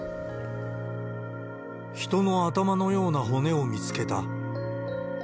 人の頭のような骨を見つけた。